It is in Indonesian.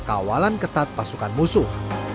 kawalan ketat pasukan musuh